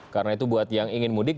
karena itu buat yang ingin mudik